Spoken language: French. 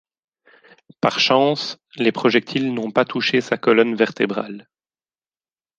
Par chance, les projectiles n'ont pas touché sa colonne vertébrale.